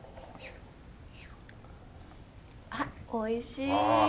あっおいしい！